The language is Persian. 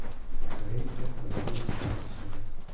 ادارهای که تازگی تاسیس شده